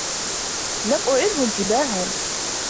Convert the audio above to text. لم أعره انتباها